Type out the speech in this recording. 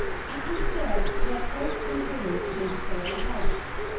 It is said that this embittered his whole life.